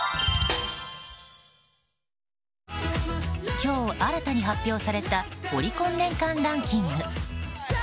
今日、新たに発表されたオリコン年間ランキング。